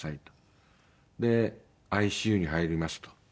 で「ＩＣＵに入ります」と。